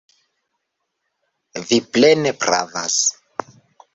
Vi plene pravas.